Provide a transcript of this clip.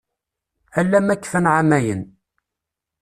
Ala ma kfan εamayen.